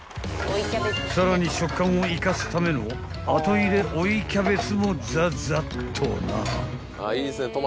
［さらに食感を生かすための後入れ追いキャベツもざざっとな］